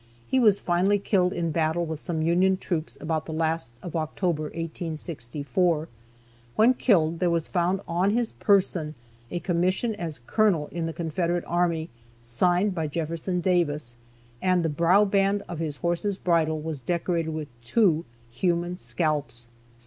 He was finally killed in battle with some Union troops about the last of October, 1864. When killed there was found on his person a commission as Colonel in the Confederate army, signed by Jefferson Davis, and the brow band of his horse's bridle was decorated with two human scalps.